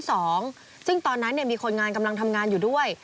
ซึ่งตอนนั้นมีคนงานกำลังทำงานอยู่ด้วย